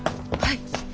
はい。